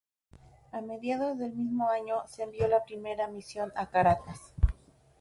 A mediados del mismo año se envió la primera misión a Caracas.